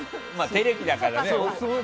テレビだからね。